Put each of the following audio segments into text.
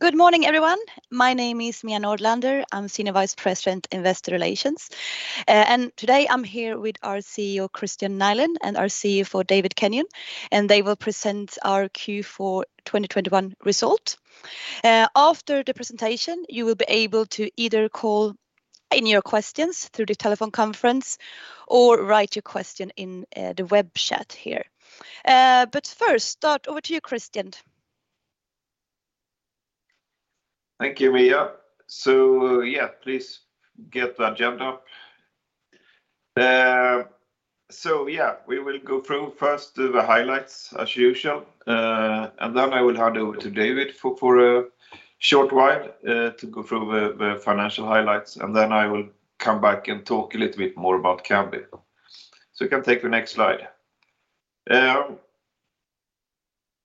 Good morning everyone. My name is Mia Nordlander. I'm Senior Vice President, Investor Relations. Today I'm here with our CEO, Kristian Nylén, and our CFO, David Kenyon, and they will present our Q4 2021 result. After the presentation, you will be able to either call in your questions through the telephone conference or write your question in the web chat here. First, over to you, Kristian. Thank you, Mia. Yeah, please get the agenda up. We will go through first the highlights as usual, and then I will hand over to David for a short while to go through the financial highlights, and then I will come back and talk a little bit more about Kambi. You can take the next slide.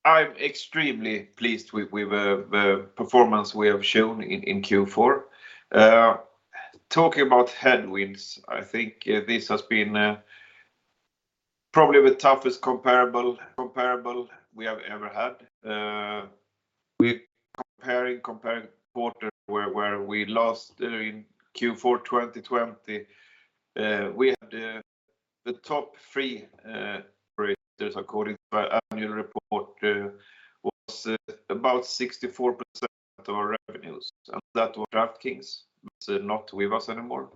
I'm extremely pleased with the performance we have shown in Q4. Talking about headwinds, I think this has been probably the toughest comparable we have ever had. We're comparing a quarter where we lost in Q4 2020. We had the top three operators according to our annual report was about 64% of our revenues, and that was DraftKings, so not with us anymore.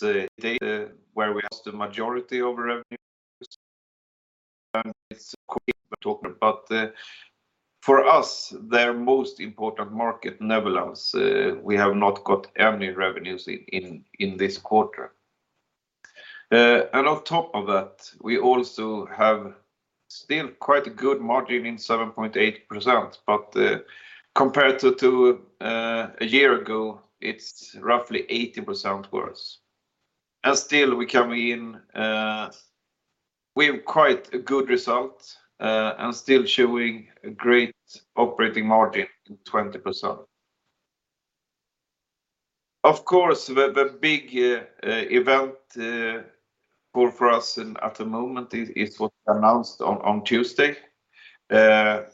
The data where we lost the majority of revenues. For us, their most important market, Netherlands, we have not got any revenues in this quarter. On top of that, we also have still quite a good margin in 7.8%, but compared to a year ago, it's roughly 80% worse. Still we come in, we have quite a good result, and still showing a great operating margin in 20%. Of course, the big event for us at the moment is what announced on Tuesday, where.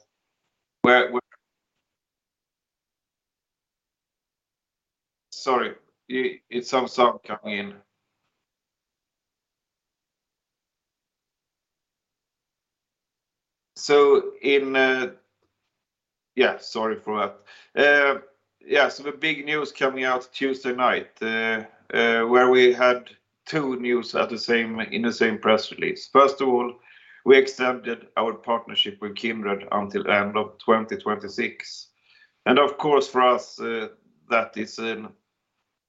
Sorry, it's some sound coming in. Yeah, sorry for that. The big news coming out Tuesday night, where we had two news in the same press release. First of all, we extended our partnership with Kindred until end of 2026. Of course, for us, that is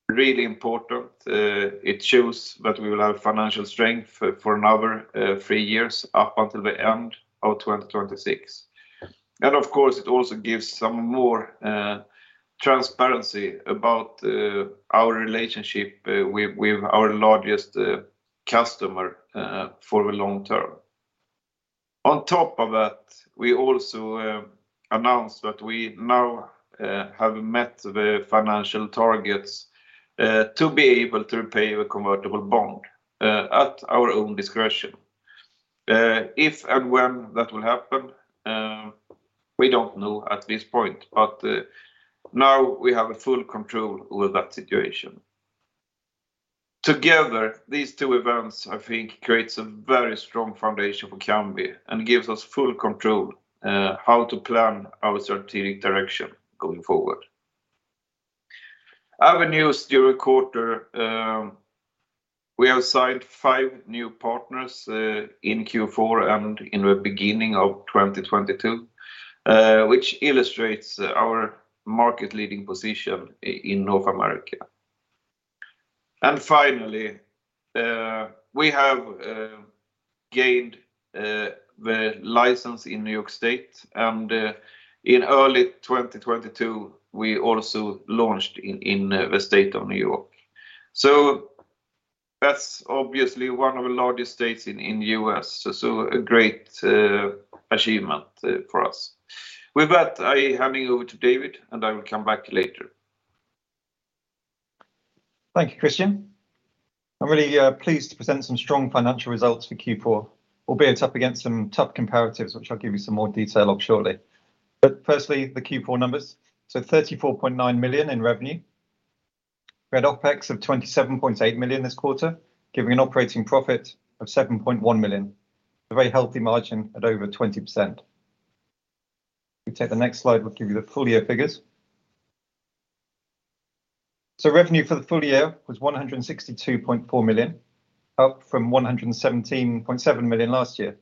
really important. It shows that we will have financial strength for another three years up until the end of 2026. Of course, it also gives some more transparency about our relationship with our largest customer for the long term. On top of that, we also announced that we now have met the financial targets to be able to repay the convertible bond at our own discretion. If and when that will happen, we don't know at this point. Now we have full control over that situation. Together, these two events I think creates a very strong foundation for Kambi and gives us full control how to plan our strategic direction going forward. Other news during quarter, we have signed five new partners in Q4 and in the beginning of 2022, which illustrates our market leading position in North America. Finally, we have gained the license in New York State, and in early 2022, we also launched in the state of New York. That's obviously one of the largest states in the U.S., so a great achievement for us. With that, I'm handing over to David, and I will come back later. Thank you, Kristian. I'm really pleased to present some strong financial results for Q4, albeit up against some tough comparatives, which I'll give you some more detail on shortly. Firstly, the Q4 numbers. 34.9 million in revenue. We had OPEX of 27.8 million this quarter, giving an operating profit of 7.1 million, a very healthy margin at over 20%. If you take the next slide, we'll give you the full year figures. Revenue for the full year was 162.4 million, up from 117.7 million last year.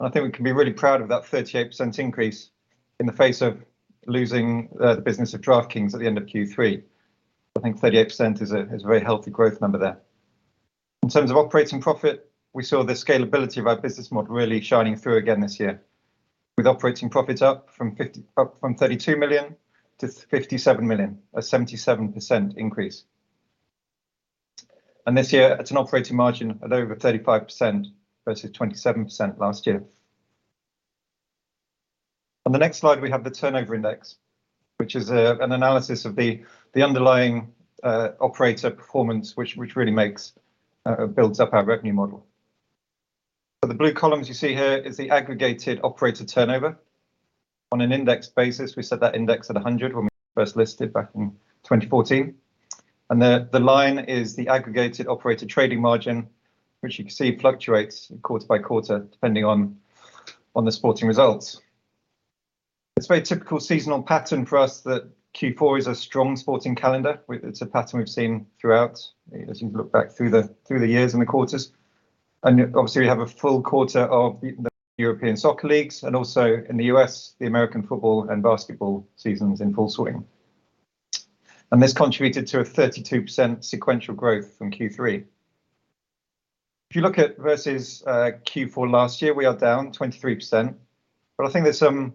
I think we can be really proud of that 38% increase in the face of losing the business of DraftKings at the end of Q3. I think 38% is a very healthy growth number there. In terms of operating profit, we saw the scalability of our business model really shining through again this year, with operating profits up from 32 million to 57 million, a 77% increase. This year, it's an operating margin at over 35% versus 27% last year. On the next slide, we have the Turnover Index, which is an analysis of the underlying operator performance which really builds up our revenue model. The blue columns you see here is the aggregated operator turnover. On an index basis we set that index at 100 when we first listed back in 2014, and the line is the aggregated operator trading margin, which you can see fluctuates quarter by quarter depending on the sporting results. It's very typical seasonal pattern for us that Q4 is a strong sporting calendar. It's a pattern we've seen throughout as you look back through the years and the quarters, and obviously we have a full quarter of the European soccer leagues and also in the U.S. the American football and basketball seasons in full swing. This contributed to a 32% sequential growth from Q3. If you look at it versus Q4 last year, we are down 23%, but I think there's some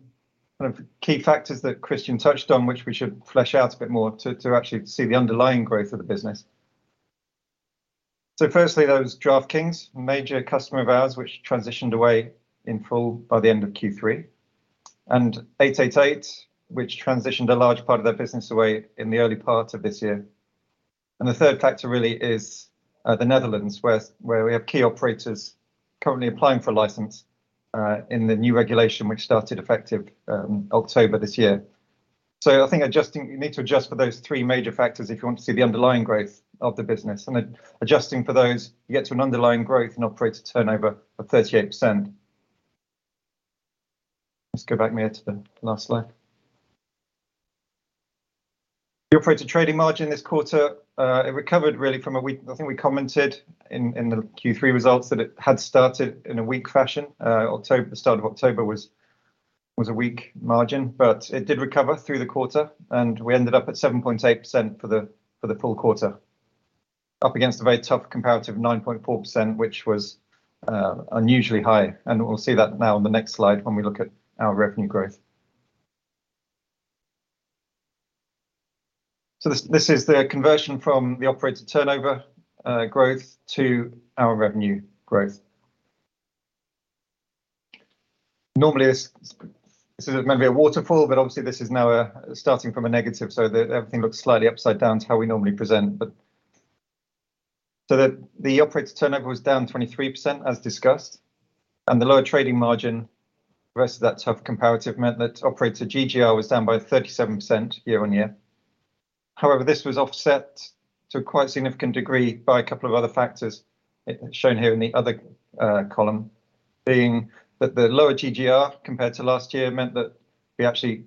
kind of key factors that Kristian touched on which we should flesh out a bit more to actually see the underlying growth of the business. Firstly, there was DraftKings, a major customer of ours which transitioned away in full by the end of Q3, and 888 which transitioned a large part of their business away in the early part of this year. The third factor really is the Netherlands where we have key operators currently applying for a license in the new regulation which started effective October this year. I think adjusting, you need to adjust for those three major factors if you want to see the underlying growth of the business. Then adjusting for those, you get to an underlying growth in operator turnover of 38%. Let's go back, Mia, to the last slide. The operator trading margin this quarter, it recovered really from a weak. I think we commented in the Q3 results that it had started in a weak fashion. October, the start of October was a weak margin, but it did recover through the quarter and we ended up at 7.8% for the full quarter. Up against a very tough comparative of 9.4% which was unusually high, and we'll see that now on the next slide when we look at our revenue growth. This is the conversion from the operator turnover growth to our revenue growth. Normally this is maybe a waterfall but obviously this is now a starting from a negative so everything looks slightly upside down to how we normally present. The operator turnover was down 23% as discussed, and the lower trading margin versus that tough comparative meant that operator GGR was down by 37% year-on-year. However, this was offset to a quite significant degree by a couple of other factors shown here in the other column, being that the lower GGR compared to last year meant that we actually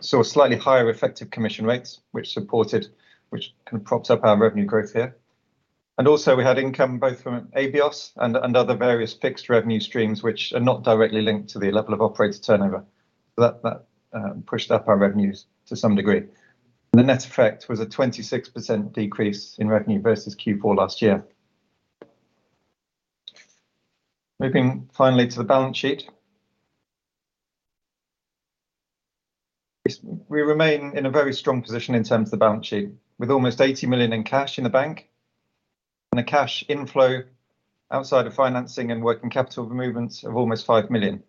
saw slightly higher effective commission rates, which kind of props up our revenue growth here. Also we had income both from Abios and other various fixed revenue streams which are not directly linked to the level of operator turnover. That pushed up our revenues to some degree. The net effect was a 26% decrease in revenue versus Q4 last year. Moving finally to the balance sheet. We remain in a very strong position in terms of the balance sheet, with almost 80 million in cash in the bank and a cash inflow outside of financing and working capital movements of almost 5 million.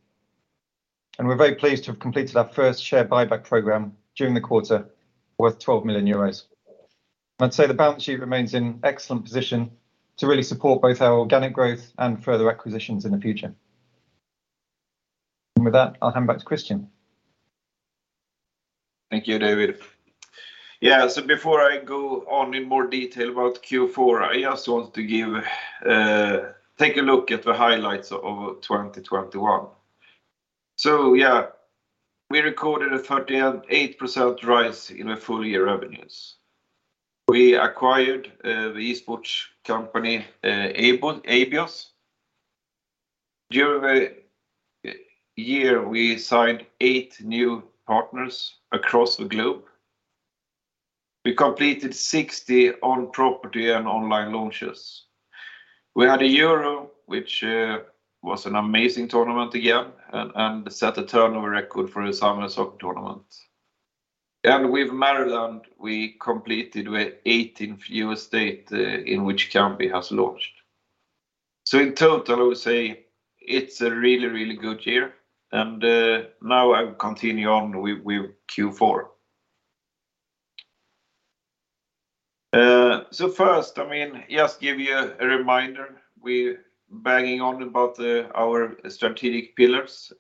We are very pleased to have completed our first share buyback program during the quarter worth 12 million euros. I'd say the balance sheet remains in excellent position to really support both our organic growth and further acquisitions in the future. With that, I'll hand back to Kristian. Thank you, David. Yeah. Before I go on in more detail about Q4, I just want to take a look at the highlights of 2021. Yeah, we recorded a 38% rise in the full year revenues. We acquired the esports company Abios. During the year we signed eight new partners across the globe. We completed 60 on-property and online launches. We had a Euro, which was an amazing tournament again and set a turnover record for a summer soccer tournament. With Maryland, we completed the 18th U.S. state in which Kambi has launched. In total, I would say it's a really, really good year and now I will continue on with Q4. First, I mean, just give you a reminder. We're banging on about our strategic pillars,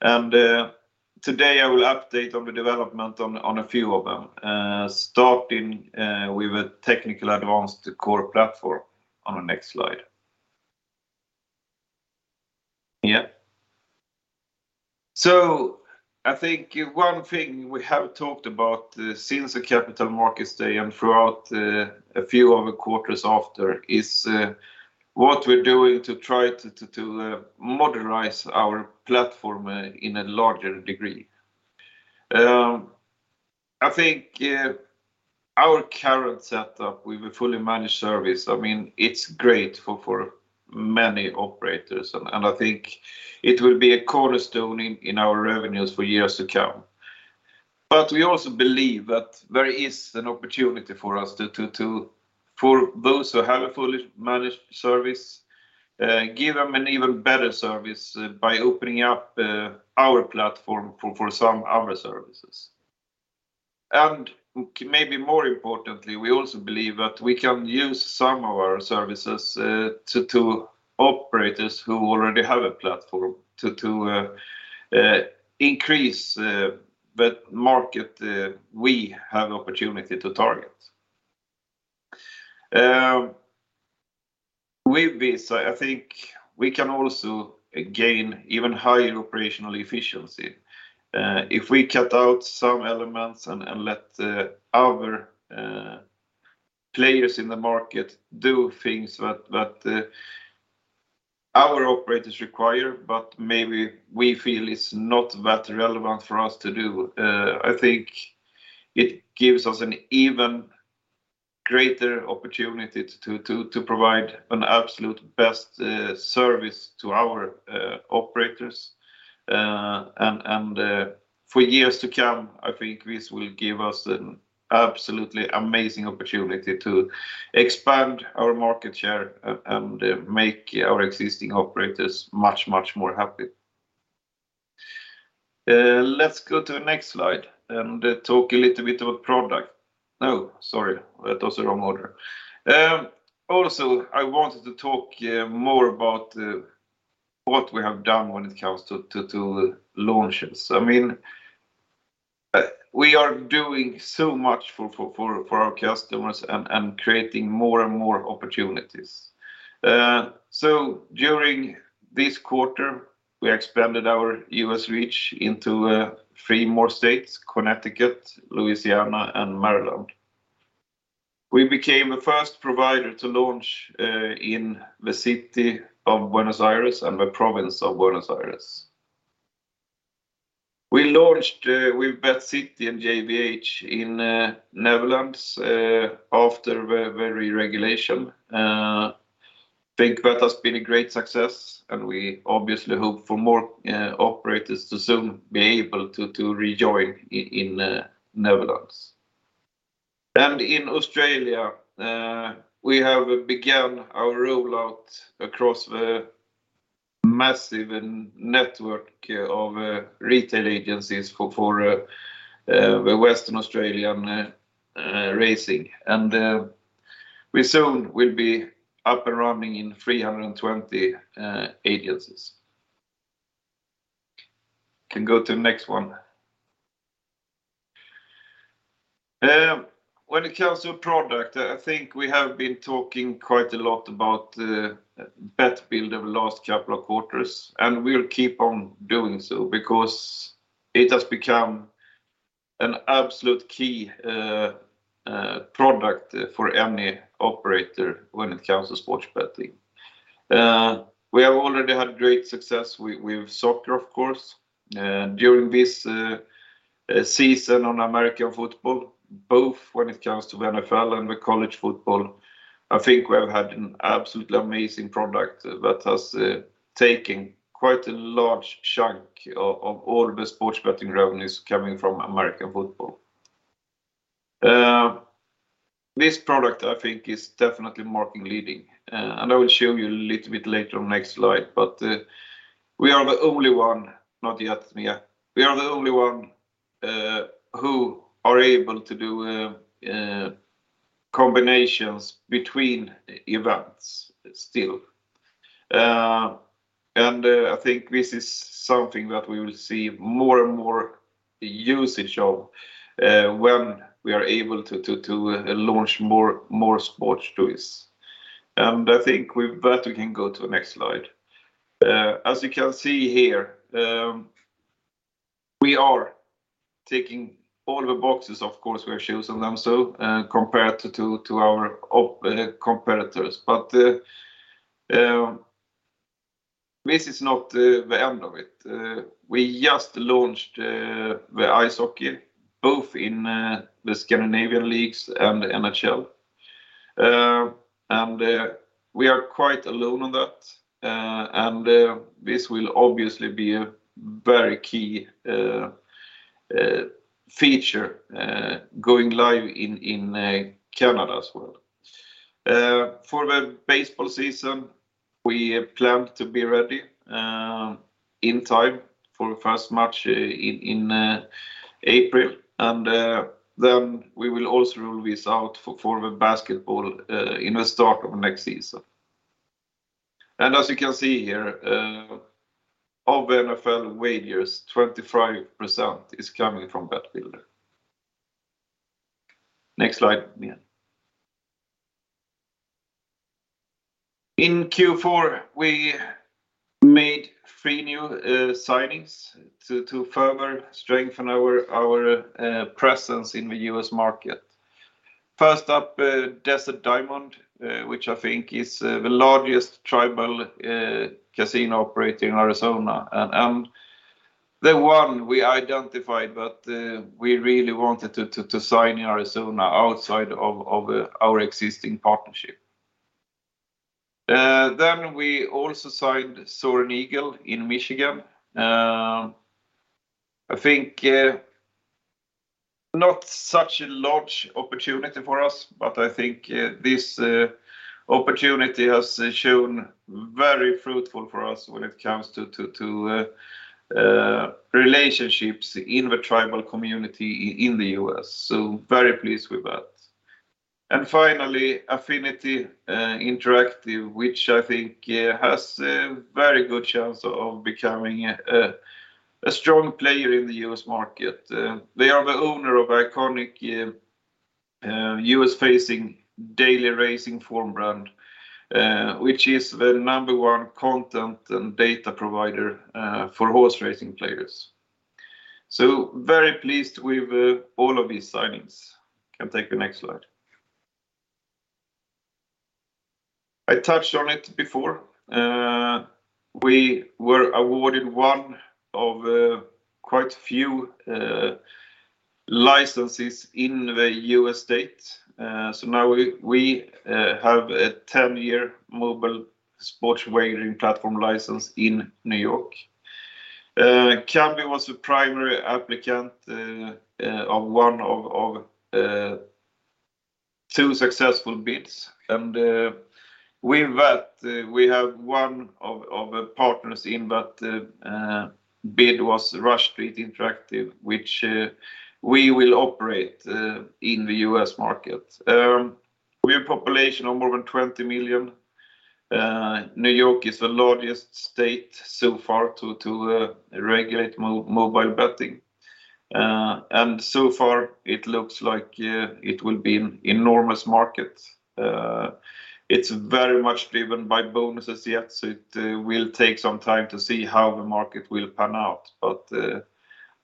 and today I will update on the development of a few of them, starting with a technically advanced core platform on the next slide. Yeah. I think one thing we have talked about since the Capital Markets Day and throughout a few of the quarters after is what we're doing to try to modernize our platform to a larger degree. I think our current setup with a fully managed service, I mean, it's great for many operators and I think it will be a cornerstone in our revenues for years to come. We also believe that there is an opportunity for us to, for those who have a fully managed service, give them an even better service by opening up our platform for some other services. Maybe more importantly, we also believe that we can use some of our services to operators who already have a platform to increase the market we have opportunity to target. With this, I think we can also gain even higher operational efficiency. If we cut out some elements and let the other players in the market do things that our operators require, but maybe we feel it's not that relevant for us to do, I think it gives us an even greater opportunity to provide an absolute best service to our operators. For years to come, I think this will give us an absolutely amazing opportunity to expand our market share and make our existing operators much more happy. Let's go to the next slide and talk a little bit about product. No, sorry, that was the wrong order. Also, I wanted to talk more about what we have done when it comes to launches. I mean, we are doing so much for our customers and creating more and more opportunities. During this quarter, we expanded our U.S. reach into three more states, Connecticut, Louisiana, and Maryland. We became the first provider to launch in the city of Buenos Aires and the province of Buenos Aires. We launched with BetCity and JVH in the Netherlands after the reregulation. I think that has been a great success, and we obviously hope for more operators to soon be able to rejoin in Netherlands. In Australia, we have begun our rollout across the massive network of retail agencies for the Western Australian racing. We soon will be up and running in 320 agencies. Can go to the next one. When it comes to product, I think we have been talking quite a lot about the Bet Builder the last couple of quarters, and we'll keep on doing so because it has become an absolute key product for any operator when it comes to sports betting. We have already had great success with soccer, of course. During this season on American football, both when it comes to NFL and the college football, I think we've had an absolutely amazing product that has taken quite a large chunk of all the sports betting revenues coming from American football. This product I think is definitely market leading, and I will show you a little bit later on the next slide. Not yet, Mia. We are the only one who are able to do combinations between events still. I think this is something that we will see more and more usage of, when we are able to launch more sports to this. I think with that we can go to the next slide. As you can see here, we are ticking all the boxes, of course we have chosen them so, compared to our competitors. This is not the end of it. We just launched the ice hockey both in the Scandinavian leagues and the NHL. We are quite alone on that. This will obviously be a very key feature going live in Canada as well. For the baseball season, we plan to be ready in time for the first match in April, and then we will also roll this out for the basketball in the start of next season. As you can see here, of NFL wagers, 25% is coming from Bet Builder. Next slide, Mia. In Q4, we made three new signings to further strengthen our presence in the U.S. market. First up, Desert Diamond, which I think is the largest tribal casino operator in Arizona, and the one we identified that we really wanted to sign in Arizona outside of our existing partnership. We also signed Soaring Eagle in Michigan. I think not such a large opportunity for us, but I think this opportunity has shown very fruitful for us when it comes to relationships in the tribal community in the U.S., so very pleased with that. Finally, Affinity Interactive, which I think has a very good chance of becoming a strong player in the U.S. market. They are the owner of iconic, U.S.-facing Daily Racing Form brand, which is the number one content and data provider for horse racing players. Very pleased with all of these signings. Can take the next slide. I touched on it before. We were awarded one of quite a few licenses in the U.S. state. Now we have a ten-year mobile sports wagering platform license in New York. Kambi was the primary applicant of one of two successful bids. With that, we have one of our partners in that bid was Rush Street Interactive, which we will operate in the U.S. market. We have a population of more than 20 million. New York is the largest state so far to regulate mobile betting. So far it looks like it will be an enormous market. It's very much driven by bonuses yet, so it will take some time to see how the market will pan out. But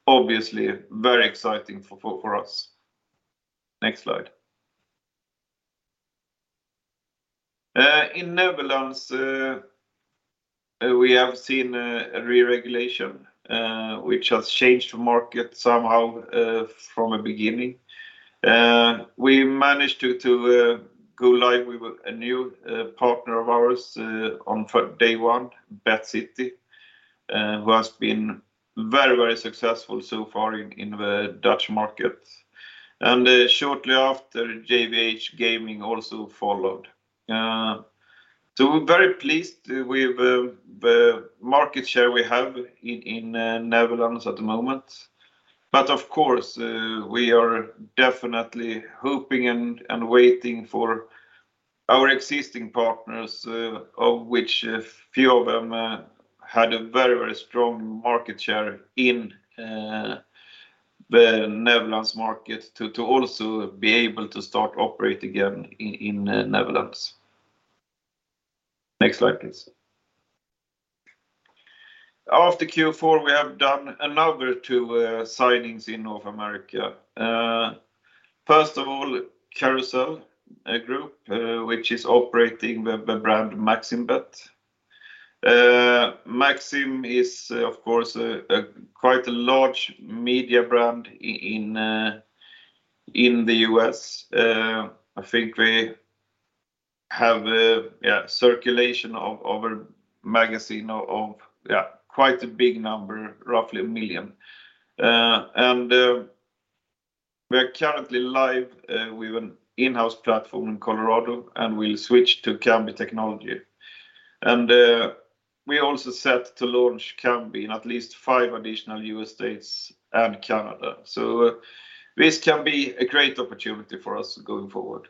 obviously very exciting for us. Next slide. In Netherlands we have seen a reregulation which has changed the market somehow from the beginning. We managed to go live with a new partner of ours on day one, BetCity, who has been very successful so far in the Dutch market. Shortly after, JVH Gaming also followed. We're very pleased with the market share we have in Netherlands at the moment. Of course, we are definitely hoping and waiting for our existing partners, of which a few of them had a very strong market share in the Netherlands market to also be able to start operating again in the Netherlands. Next slide, please. After Q4, we have done another two signings in North America. First of all, Carousel Group, which is operating the brand MaximBet. Maxim is, of course, quite a large media brand in the U.S. I think we have a circulation of a magazine of quite a big number, roughly 1 million. We are currently live with an in-house platform in Colorado, and we'll switch to Kambi technology. We also set to launch Kambi in at least five additional U.S. states and Canada. This can be a great opportunity for us going forward.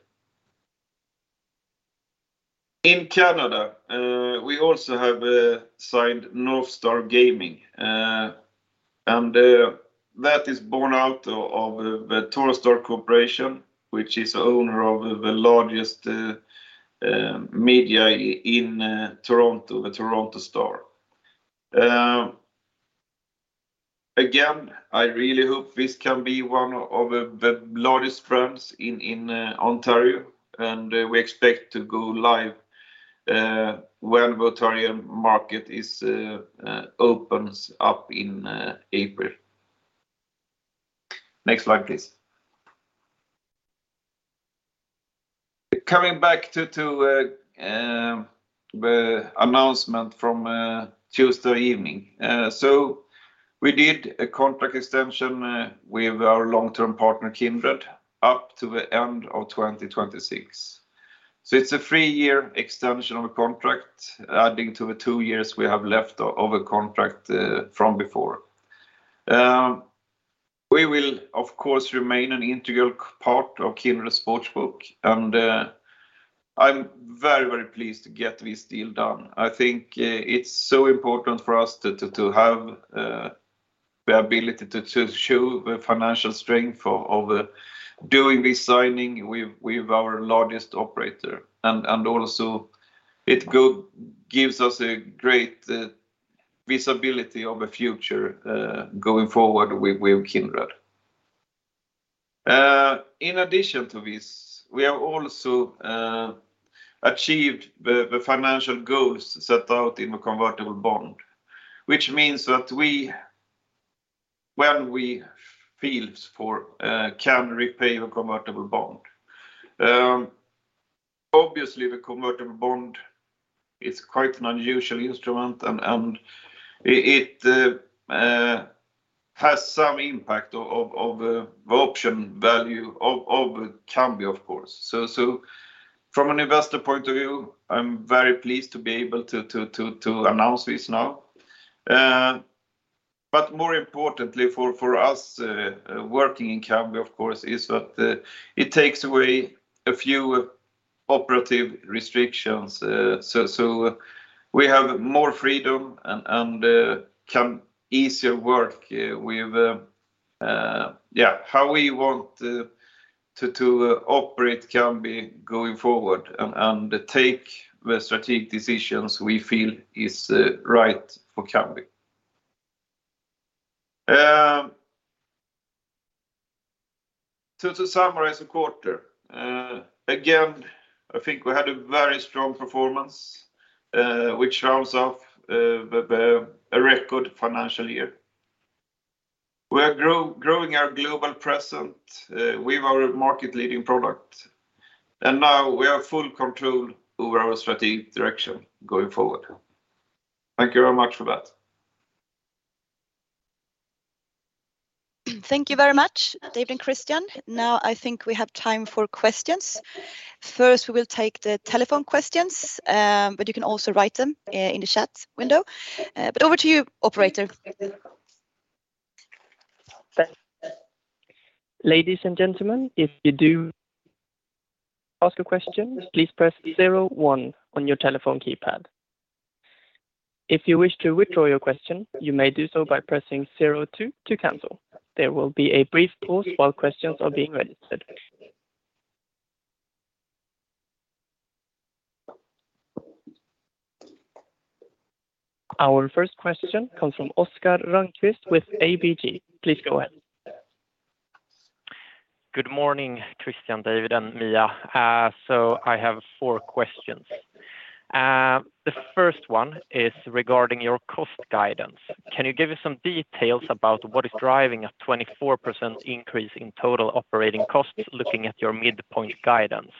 In Canada, we also have signed NorthStar Gaming. That is born out of the Torstar Corporation, which is owner of the largest media in Toronto, the Toronto Star. Again, I really hope this can be one of the largest brands in Ontario, and we expect to go live when the Ontario market opens up in April. Next slide, please. Coming back to the announcement from Tuesday evening. We did a contract extension with our long-term partner, Kindred, up to the end of 2026. It's a three-year extension of contract adding to the two years we have left of a contract from before. We will of course remain an integral part of Kindred sportsbook and I'm very, very pleased to get this deal done. I think it's so important for us to have the ability to show the financial strength of doing this signing with our largest operator. Also it gives us a great visibility of a future going forward with Kindred. In addition to this, we have also achieved the financial goals set out in the convertible bond, which means that we can repay the convertible bond. Obviously the convertible bond is quite an unusual instrument and it has some impact of the option value of Kambi, of course. From an investor point of view, I'm very pleased to be able to announce this now. More importantly for us working in Kambi, of course, is that it takes away a few operational restrictions. We have more freedom and can easier work with how we want to operate Kambi going forward and take the strategic decisions we feel is right for Kambi. To summarize the quarter again, I think we had a very strong performance which rounds off a record financial year. We are growing our global presence, with our market-leading product, and now we have full control over our strategic direction going forward. Thank you very much for that. Thank you very much, David and Kristian. Now I think we have time for questions. First, we will take the telephone questions, but you can also write them in the chat window. Over to you, operator. Ladies and gentlemen, if you do ask question, please press 01 on your telephone keypad. If you wish to withdraw your question, you may do so by pressing 02 to cancel. There will be a brief pause while question are bieng registered. Our first question comes from Oscar Rönnkvist with ABG. Please go ahead. Good morning, Kristian, David, and Mia. I have four questions. The first one is regarding your cost guidance. Can you give us some details about what is driving a 24% increase in total operating costs looking at your midpoint guidance?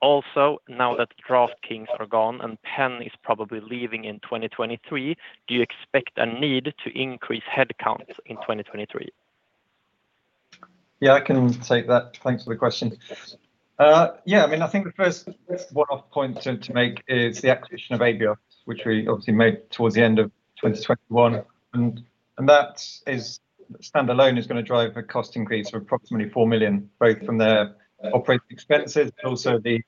Also, now that DraftKings are gone and Penn is probably leaving in 2023, do you expect a need to increase headcounts in 2023? Yeah, I can take that. Thanks for the question. Yeah, I mean, I think the first one-off point to make is the acquisition of Abios, which we obviously made towards the end of 2021 and that, standalone, is gonna drive a cost increase of approximately 4 million, both from the operating expenses, but also the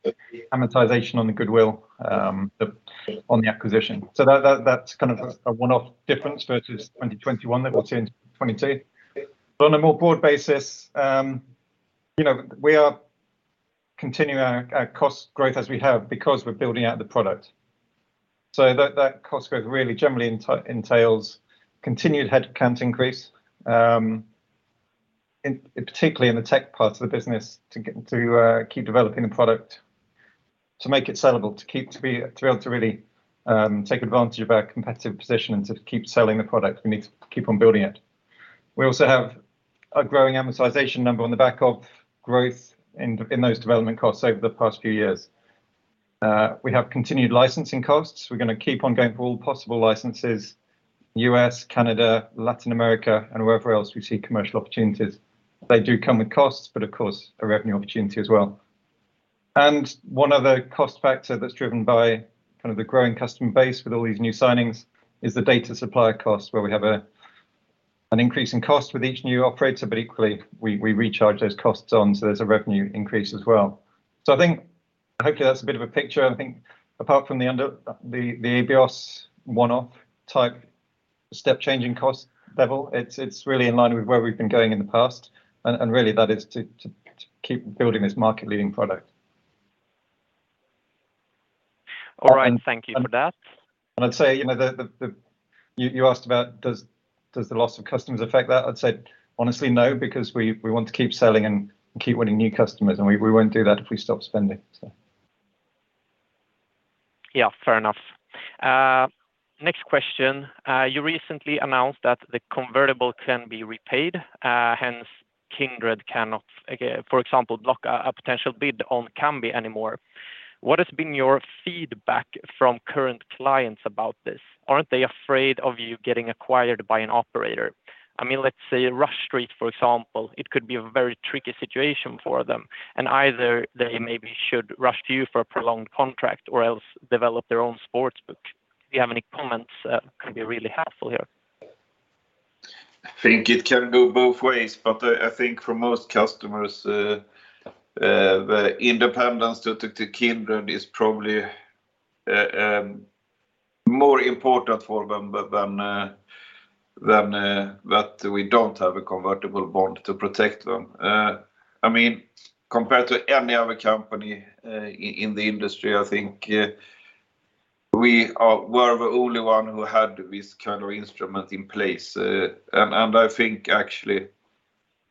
amortization on the goodwill on the acquisition. So that's kind of a one-off difference versus 2021 that will change 2022. But on a more broad basis, you know, we are continuing our cost growth as we have because we're building out the product. That cost growth really generally entails continued headcount increase, particularly in the tech parts of the business to keep developing the product to make it sellable, to be able to really take advantage of our competitive position and to keep selling the product. We need to keep on building it. We also have a growing amortization number on the back of growth in those development costs over the past few years. We have continued licensing costs. We're gonna keep on going for all possible licenses, U.S., Canada, Latin America, and wherever else we see commercial opportunities. They do come with costs, but of course, a revenue opportunity as well. One other cost factor that's driven by kind of the growing customer base with all these new signings is the data supply costs, where we have an increase in cost with each new operator, but equally we recharge those costs on, so there's a revenue increase as well. I think hopefully that's a bit of a picture. I think apart from the end of the Abios one-off type step change in cost level, it's really in line with where we've been going in the past, and really that is to keep building this market-leading product. All right. Thank you for that. I'd say, you know, You asked about does the loss of customers affect that? I'd say honestly, no, because we want to keep selling and keep winning new customers, and we won't do that if we stop spending. Yeah. Fair enough. Next question. You recently announced that the convertible can be repaid, hence Kindred cannot, for example, block a potential bid on Kambi anymore. What has been your feedback from current clients about this? Aren't they afraid of you getting acquired by an operator? I mean, let's say Rush Street, for example, it could be a very tricky situation for them, and either they maybe should rush to you for a prolonged contract or else develop their own sportsbook. If you have any comments, it could be really helpful here. I think it can go both ways, but I think for most customers, independence due to Kindred is probably more important for them than that we don't have a convertible bond to protect them. I mean, compared to any other company in the industry, I think we're the only one who had this kind of instrument in place. I think actually,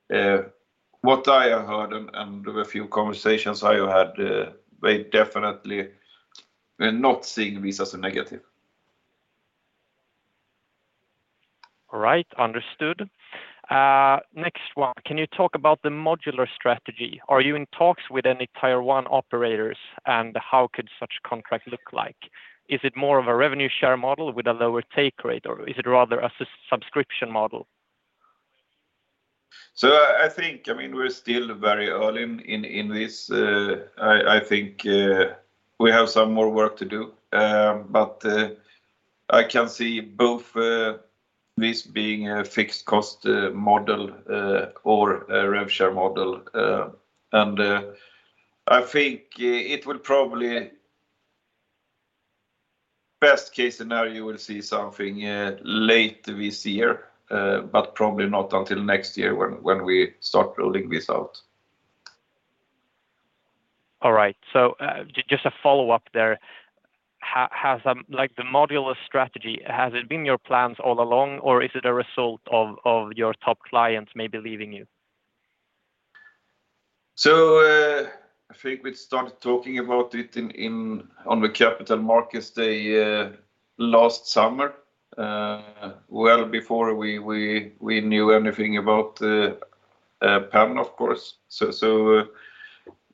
what I heard and a few conversations I had, they definitely were not seeing this as a negative. All right. Understood. Next one. Can you talk about the modular strategy? Are you in talks with any tier one operators, and how could such contract look like? Is it more of a revenue share model with a lower take rate, or is it rather a subscription model? I think, I mean, we're still very early in this. I think we have some more work to do. I can see both this being a fixed cost model or a rev share model. I think it will probably, best case scenario, you will see something late this year, but probably not until next year when we start rolling this out. All right. Just a follow-up there. Has like the modular strategy, has it been your plans all along or is it a result of your top clients maybe leaving you? I think we started talking about it on the Capital Markets Day last summer, well before we knew anything about Penn of course.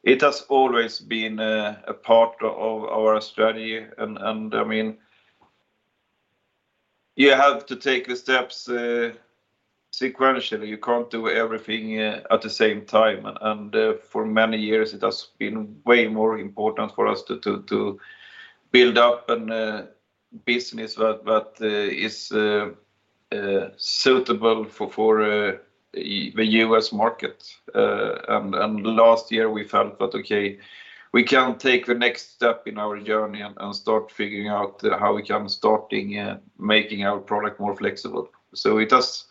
It has always been a part of our strategy and I mean, you have to take the steps sequentially. You can't do everything at the same time. For many years it has been way more important for us to build up a business that is suitable for the U.S. market. Last year we felt that, okay, we can take the next step in our journey and start figuring out how we can start making our product more flexible. It has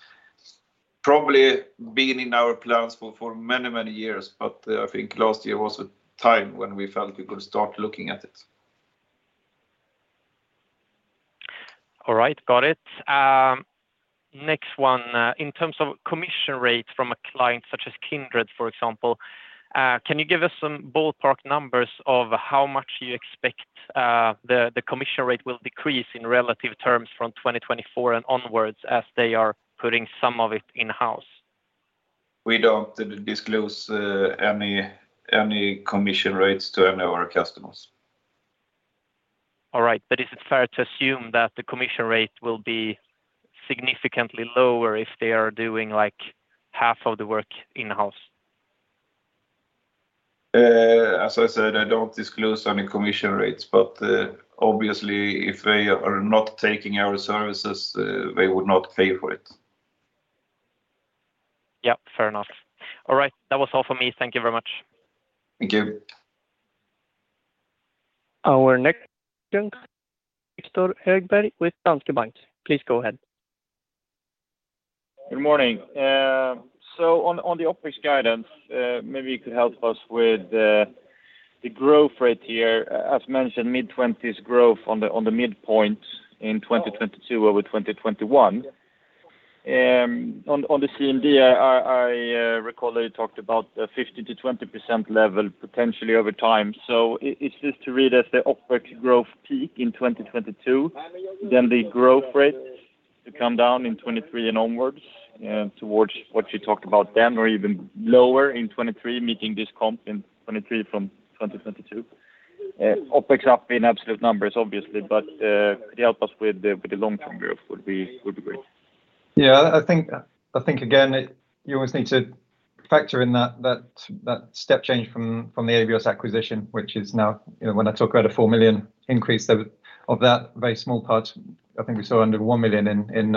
probably been in our plans for many years. I think last year was a time when we felt we could start looking at it. All right. Got it. Next one. In terms of commission rates from a client such as Kindred, for example, can you give us some ballpark numbers of how much you expect the commission rate will decrease in relative terms from 2024 and onwards as they are putting some of it in-house? We don't disclose any commission rates to any of our customers. All right. Is it fair to assume that the commission rate will be significantly lower if they are doing like half of the work in-house? As I said, I don't disclose any commission rates. Obviously if they are not taking our services, they would not pay for it. Yeah, fair enough. All right. That was all for me. Thank you very much. Thank you. Our next line, Viktor Högberg with Danske Bank. Please go ahead. Good morning. On the OPEX guidance, maybe you could help us with the growth rate here. As mentioned, mid-20s growth on the midpoint in 2022 over 2021. On the CMD, I recall that you talked about a 50%-20% level potentially over time. Is this to read as the OPEX growth peak in 2022, then the growth rate to come down in 2023 and onwards, towards what you talked about then or even lower in 2023 meeting this comp in 2023 from 2022? OPEX up in absolute numbers obviously, but could you help us with what the long-term growth would be. That would be great. Yeah, I think again you always need to factor in that step change from the Abios acquisition, which is now, you know, when I talk about a 4 million increase of that very small part. I think we saw under 1 million in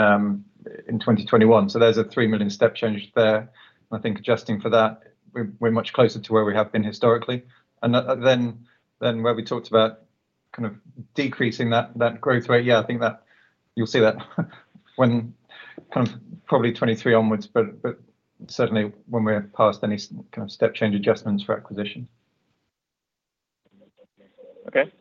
2021. There's a 3 million step change there. I think adjusting for that we're much closer to where we have been historically. Then where we talked about kind of decreasing that growth rate. Yeah, I think that you'll see that when kind of probably 2023 onward, but certainly when we're past any kind of step change adjustments for acquisition. Okay.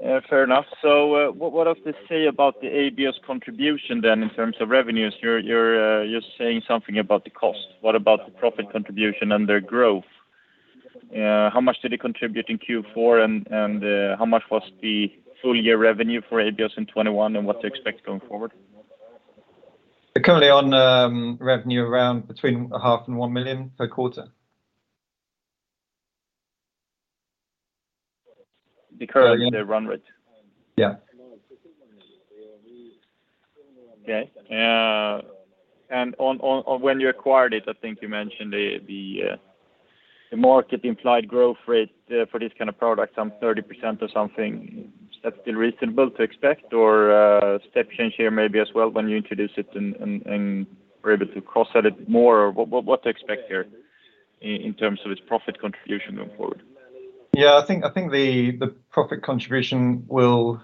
Yeah, fair enough. What does this say about the Abios contribution then in terms of revenues? You're saying something about the cost. What about the profit contribution and their growth? How much did they contribute in Q4 and how much was the full year revenue for Abios in 2021 and what to expect going forward? They're currently on revenue around between a half and 1 million EUR per quarter. The current run rate? Yeah. Okay. When you acquired it, I think you mentioned the market implied growth rate for this kind of product, some 30% or something. That's still reasonable to expect or step change here maybe as well when you introduce it and were able to cross sell it more or what to expect here in terms of its profit contribution going forward? Yeah, I think the profit contribution will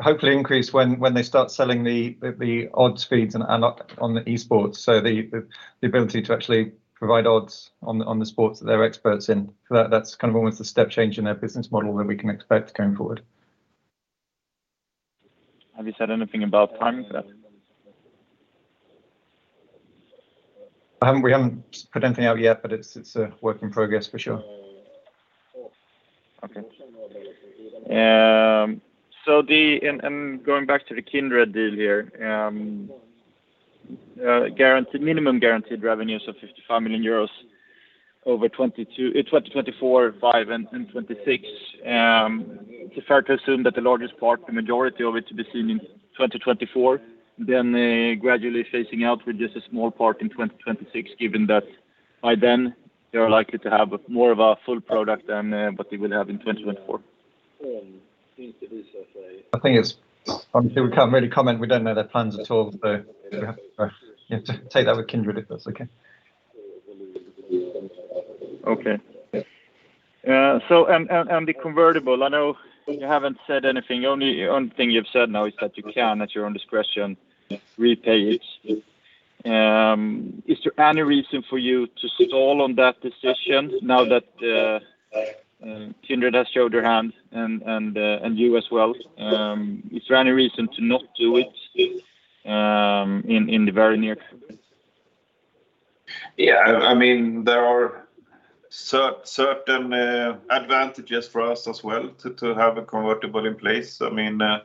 hopefully increase when they start selling the odds feeds and on the esports. The ability to actually provide odds on the sports that they're experts in. That's kind of almost a step change in their business model that we can expect going forward. Have you said anything about timing for that? We haven't put anything out yet, but it's a work in progress for sure. Going back to the Kindred deal here, minimum guaranteed revenues of 55 million euros over 2024, 2025, and 2026. Is it fair to assume that the largest part, the majority of it to be seen in 2024, then gradually phasing out with just a small part in 2026, given that by then you are likely to have more of a full product than what you will have in 2024? I think, honestly, we can't really comment. We don't know their plans at all, so you have to take that with Kindred if that's okay. The convertible, I know you haven't said anything. Only thing you've said now is that you can, at your own discretion, repay it. Is there any reason for you to stall on that decision now that Kindred has showed their hand and you as well? Is there any reason to not do it in the very near future? Yeah. I mean, there are certain advantages for us as well to have a convertible in place. I mean, I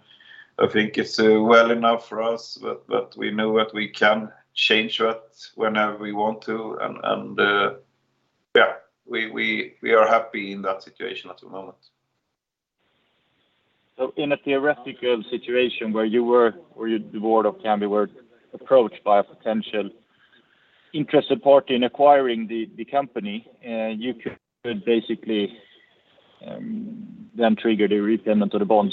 think it's well enough for us that we know that we can change that whenever we want to. Yeah, we are happy in that situation at the moment. In a theoretical situation where you, the board of Kambi were approached by a potential interested party in acquiring the company, you could basically then trigger the repayment of the bond.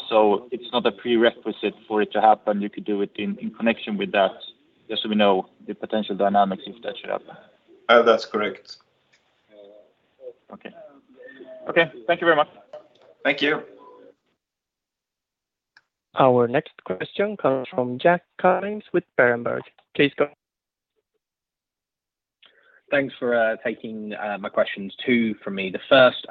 It's not a prerequisite for it to happen. You could do it in connection with that. Just so we know the potential dynamics if that should happen. That's correct. Okay. Thank you very much. Thank you. Our next question comes from Jack Cummings with Berenberg. Please go ahead. Thanks for taking my questions too from me. The first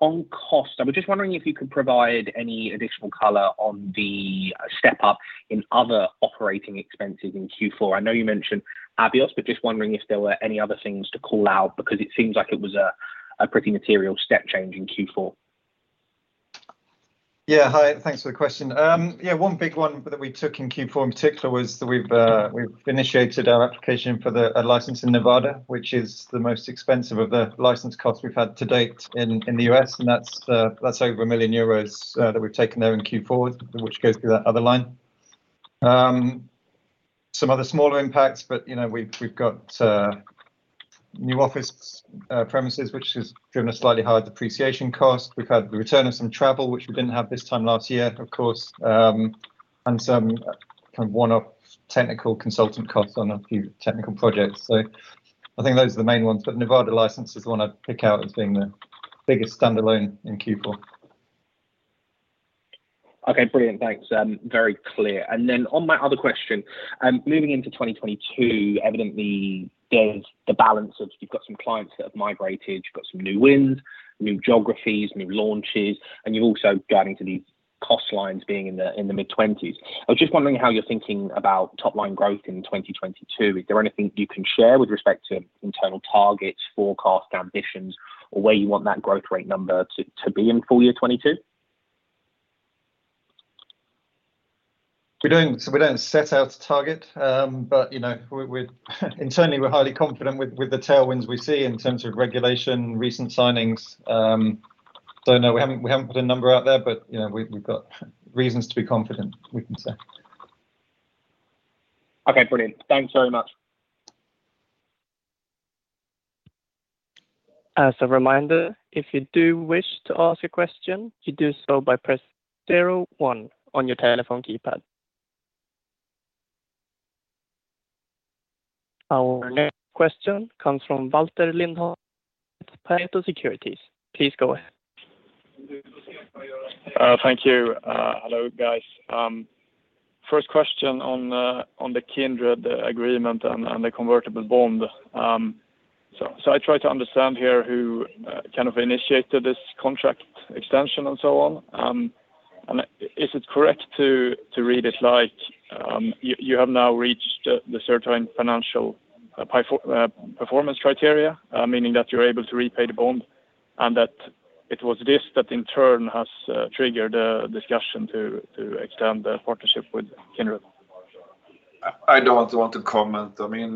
on cost, I was just wondering if you could provide any additional color on the step-up in other operating expenses in Q4. I know you mentioned Abios, but just wondering if there were any other things to call out because it seems like it was a pretty material step change in Q4. Yeah. Hi. Thanks for the question. Yeah, one big one that we took in Q4 in particular was that we've initiated our application for a license in Nevada, which is the most expensive of the license costs we've had to date in the U.S., and that's over 1 million euros that we've taken there in Q4, which goes through that other line. Some other smaller impacts, but you know, we've got new office premises, which has driven a slightly higher depreciation cost. We've had the return of some travel, which we didn't have this time last year, of course. And some kind of one-off technical consultant costs on a few technical projects. I think those are the main ones, but Nevada license is the one I'd pick out as being the biggest standalone in Q4. Okay. Brilliant. Thanks. Very clear. Then on my other question, moving into 2022, evidently there's the balance of you've got some clients that have migrated, you've got some new wins, new geographies, new launches, and you've also guided to these cost lines being in the mid-20s. I was just wondering how you're thinking about top-line growth in 2022. Is there anything you can share with respect to internal targets, forecasts, ambitions, or where you want that growth rate number to be in full year 2022? We don't set out a target, but you know, we're internally highly confident with the tailwinds we see in terms of regulation, recent signings. No, we haven't put a number out there, but you know, we've got reasons to be confident, we can say. Okay. Brilliant. Thanks very much. As a reminder, if you do wish to ask a question, you do so by pressing zero one on your telephone keypad. Our next question comes from Valter Lindhagen with Pareto Securities. Please go ahead. Thank you. Hello, guys. First question on the Kindred agreement and the convertible bond. I try to understand here who kind of initiated this contract extension and so on. Is it correct to read it like you have now reached the certain financial performance criteria, meaning that you're able to repay the bond and that it was this that in turn has triggered a discussion to extend the partnership with Kindred? I don't want to comment. I mean,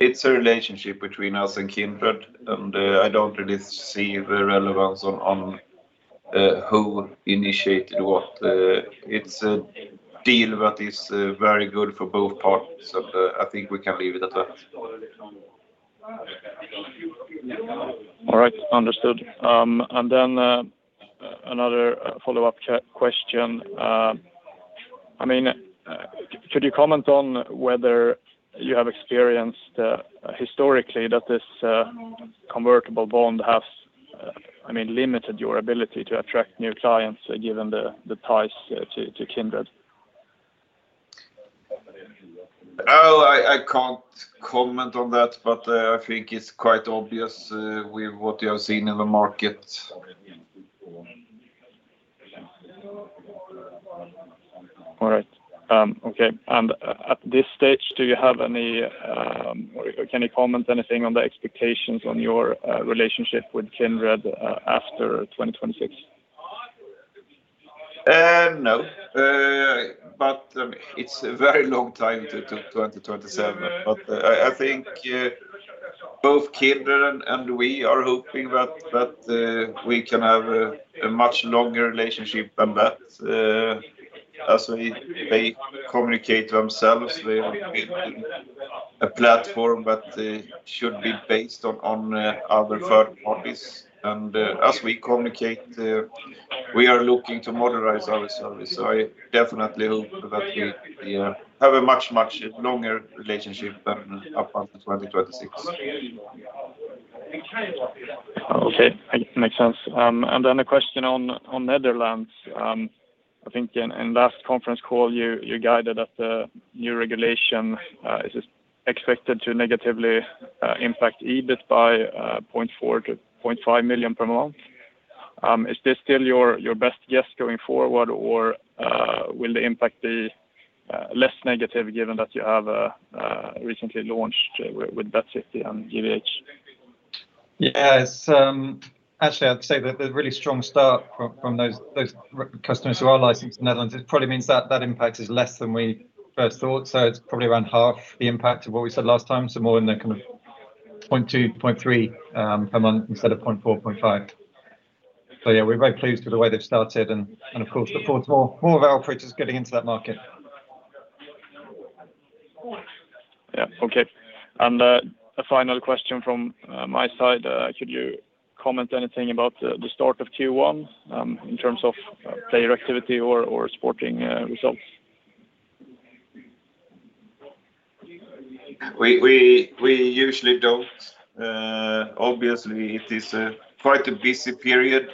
it's a relationship between us and Kindred, and I don't really see the relevance on who initiated what. It's a deal that is very good for both parties, so I think we can leave it at that. All right. Understood. Another follow-up question. I mean, could you comment on whether you have experienced, historically, that this convertible bond has, I mean, limited your ability to attract new clients given the ties to Kindred? Well, I can't comment on that, but I think it's quite obvious with what you have seen in the market. All right. Okay. At this stage, do you have any, or can you comment anything on the expectations on your relationship with Kindred after 2026? No. It's a very long time to 2027. I think both Kindred and we are hoping that we can have a much longer relationship than that. As they communicate themselves, they are a platform that should be based on other third parties. As we communicate, we are looking to modernize our service. I definitely hope that we have a much longer relationship than up until 2026. Okay. I guess it makes sense. Then a question on Netherlands. I think in last conference call you guided that the new regulation is expected to negatively impact EBIT by 0.4 million-0.5 million per month. Is this still your best guess going forward? Or will the impact be less negative given that you have recently launched with BetCity and JVH? Yes. Actually, I'd say that the really strong start from those customers who are licensed in Netherlands, it probably means that that impact is less than we first thought. It's probably around half the impact of what we said last time. More in the kind of 0.2-0.3 per month instead of 0.4-0.5. Yeah, we're very pleased with the way they've started and of course look forward to more of our operators getting into that market. Yeah. Okay. A final question from my side. Could you comment anything about the start of Q1 in terms of player activity or sporting results? We usually don't. Obviously it is quite a busy period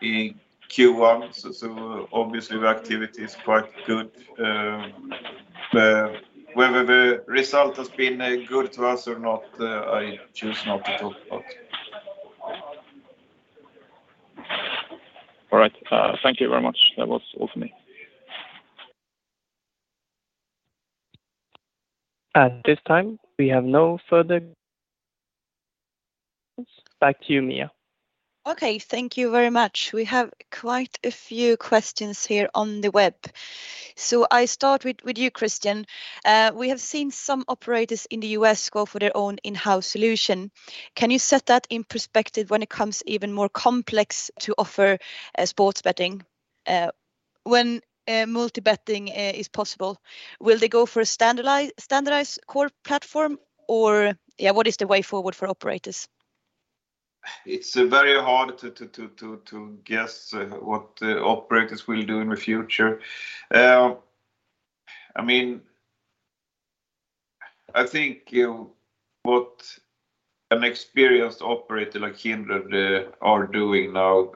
in Q1, so obviously the activity is quite good. Whether the result has been good to us or not, I choose not to talk about. All right. Thank you very much. That was all for me. At this time, we have no further questions. Back to you, Mia. Okay. Thank you very much. We have quite a few questions here on the web. I start with you, Kristian. We have seen some operators in the U.S. go for their own in-house solution. Can you set that in perspective when it comes even more complex to offer sports betting when multi betting is possible? Will they go for a standardized core platform? Or, yeah, what is the way forward for operators? It's very hard to guess what operators will do in the future. I mean, I think, you know, what an experienced operator like Kindred are doing now,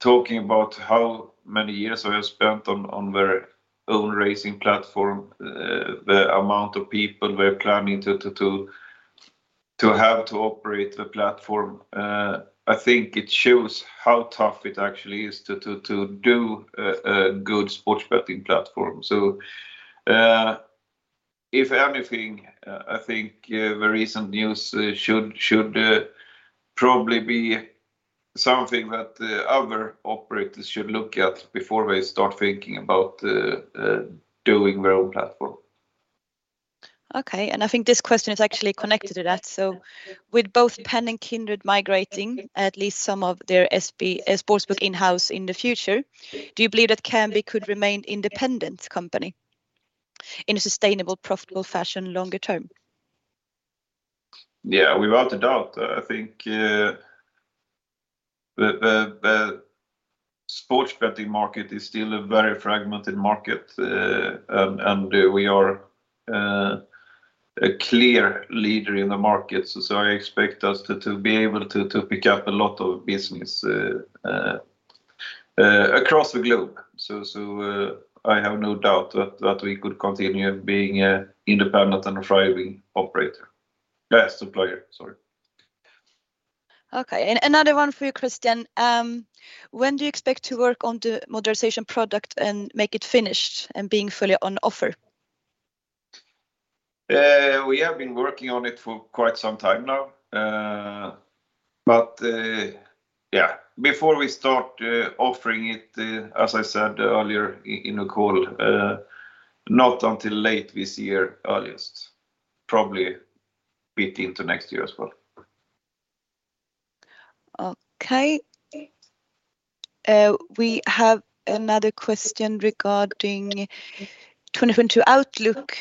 talking about how many years they have spent on their own racing platform, the amount of people they're planning to have to operate the platform. I think it shows how tough it actually is to do a good sports betting platform. If anything, I think the recent news should probably be something that other operators should look at before they start thinking about doing their own platform. Okay. I think this question is actually connected to that. With both Penn and Kindred migrating at least some of their sportsbook in-house in the future, do you believe that Kambi could remain independent company in a sustainable, profitable fashion longer term? Yeah, without a doubt. I think the sports betting market is still a very fragmented market. We are a clear leader in the market. I expect us to be able to pick up a lot of business across the globe. I have no doubt that we could continue being an independent and thriving operator. Supplier, sorry. Okay. Another one for you, Kristian. When do you expect to work on the modernization product and make it finished and being fully on offer? We have been working on it for quite some time now. Yeah. Before we start offering it, as I said earlier in the call, not until late this year at the earliest, probably a bit into next year as well. Okay. We have another question regarding 2022 outlook.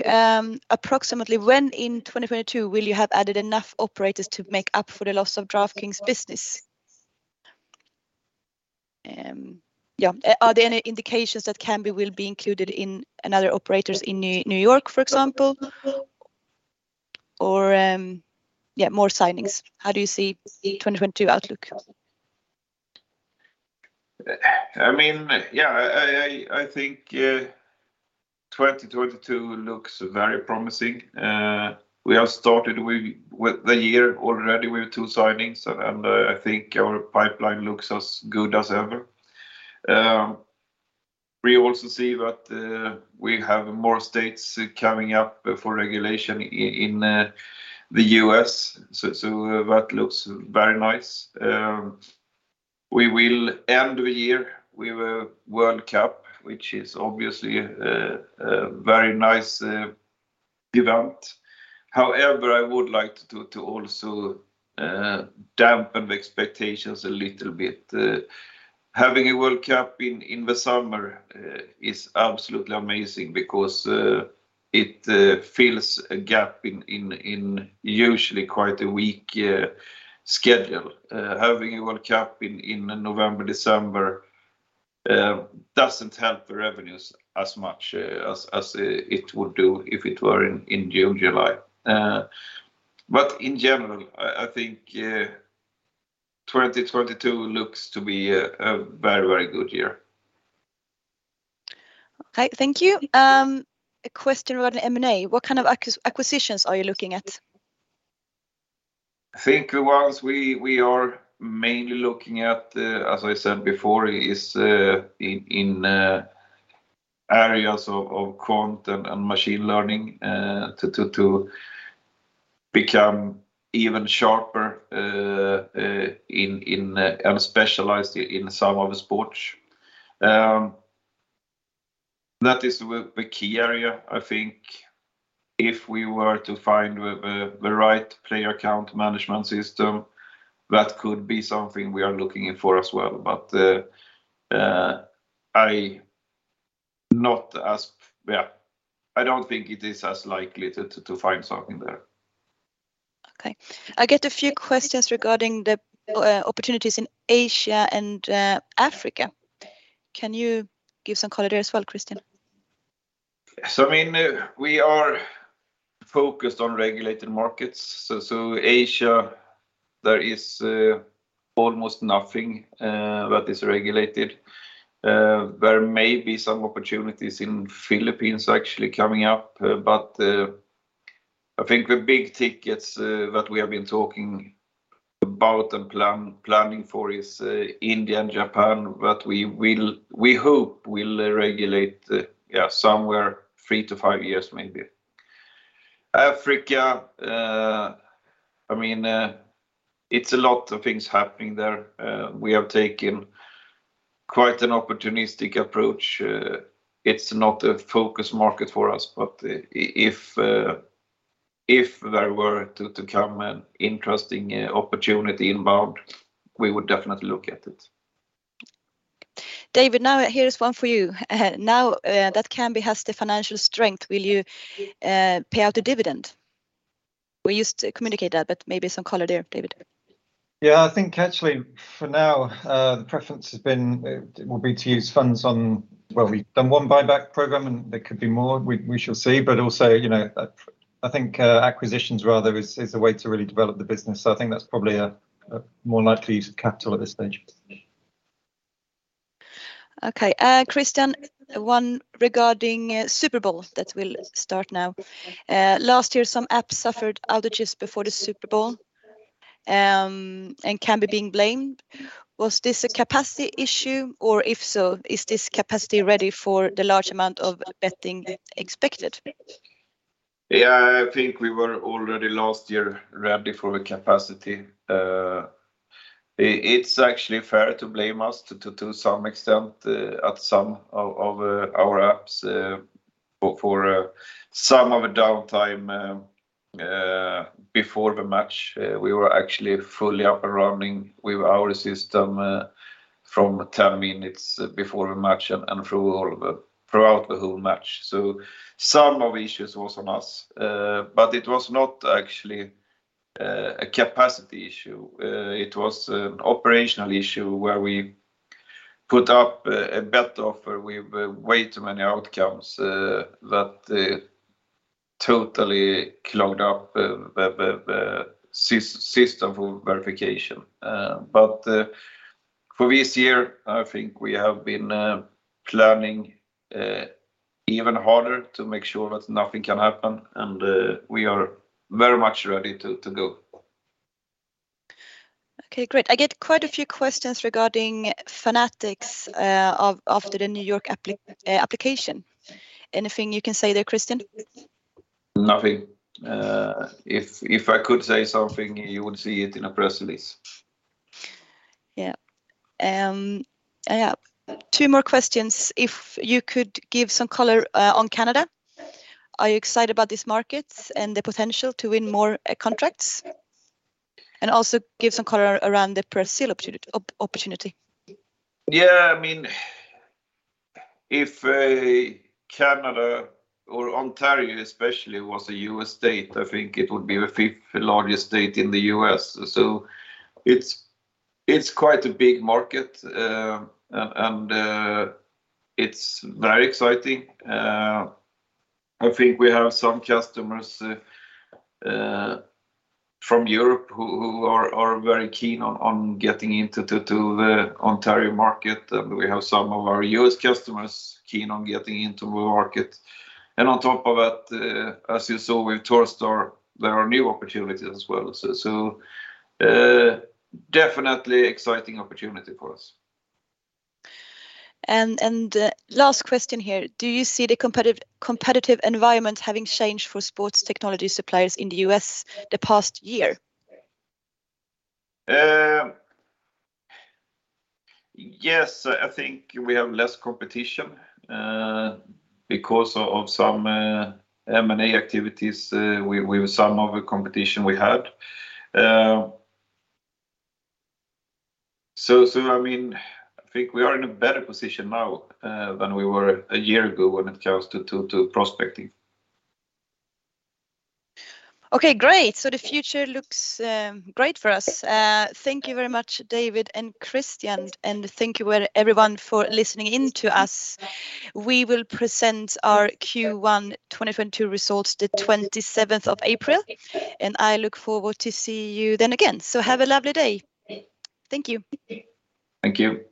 Approximately when in 2022 will you have added enough operators to make up for the loss of DraftKings business? Are there any indications that Kambi will be included in another operator's in New York, for example? Or, more signings. How do you see 2022 outlook? I mean, yeah, I think 2022 looks very promising. We have started with the year already with 2 signings and I think our pipeline looks as good as ever. We also see that we have more states coming up for regulation in the U.S., so that looks very nice. We will end the year with a World Cup, which is obviously a very nice event. However, I would like to also dampen the expectations a little bit. Having a World Cup in the summer is absolutely amazing because it fills a gap in usually quite a weak schedule. Having a World Cup in November, December doesn't help the revenues as much as it would do if it were in June-July. In general, I think 2022 looks to be a very, very good year. Okay, thank you. A question about M&A. What kind of acquisitions are you looking at? I think the ones we are mainly looking at, as I said before, is in areas of quant and machine learning to become even sharper in and specialized in some of the sports. That is the key area, I think. If we were to find the right player account management system, that could be something we are looking for as well. I don't think it is as likely to find something there. Okay. I get a few questions regarding the opportunities in Asia and Africa. Can you give some color there as well, Christian? I mean, we are focused on regulated markets. Asia, there is almost nothing that is regulated. There may be some opportunities in Philippines actually coming up. I think the big tickets that we have been talking about and planning for is India and Japan, but we hope will regulate somewhere 3-5 years maybe. Africa, I mean, it's a lot of things happening there. We have taken quite an opportunistic approach. It's not a focus market for us, but if there were to come an interesting opportunity inbound, we would definitely look at it. David, now here's one for you. Now that Kambi has the financial strength, will you pay out a dividend? We used to communicate that, but maybe some color there, David. Yeah. I think actually for now, the preference has been, will be to use funds on, well, we've done one buyback program, and there could be more. We shall see. Also, you know, I think, acquisitions rather is the way to really develop the business. I think that's probably a more likely use of capital at this stage. Okay. Kristian, one regarding, Super Bowl that will start now. Last year, some apps suffered outages before the Super Bowl, and Kambi being blamed. Was this a capacity issue? Or if so, is this capacity ready for the large amount of betting expected? Yeah. I think we were already last year ready for the capacity. It's actually fair to blame us to some extent at some of our apps for some of the downtime before the match. We were actually fully up and running with our system from 10 minutes before the match and throughout the whole match. Some of issues was on us. It was not actually a capacity issue. It was an operational issue where we put up a bet offer with way too many outcomes that totally clogged up the system for verification. For this year, I think we have been planning even harder to make sure that nothing can happen, and we are very much ready to go. Okay, great. I get quite a few questions regarding Fanatics, after the New York application. Anything you can say there, Kristian? Nothing. If I could say something, you would see it in a press release. Yeah. Yeah. Two more questions. If you could give some color on Canada, are you excited about this market and the potential to win more contracts? Also give some color around the Brazil opportunity. Yeah. I mean, if Canada or Ontario especially was a U.S. state, I think it would be the fifth largest state in the U.S. It's quite a big market. It's very exciting. I think we have some customers from Europe who are very keen on getting into the Ontario market, and we have some of our U.S. customers keen on getting into the market. On top of that, as you saw with Torstar, there are new opportunities as well. Definitely exciting opportunity for us. Last question here. Do you see the competitive environment having changed for sports technology suppliers in the U.S. the past year? Yes. I think we have less competition because of some M&A activities with some of the competition we had. I mean, I think we are in a better position now than we were a year ago when it comes to prospecting. Okay, great. The future looks great for us. Thank you very much, David and Kristian, and thank you everyone for listening in to us. We will present our Q1 2022 results the 27th of April, and I look forward to see you then again. Have a lovely day. Thank you. Thank you.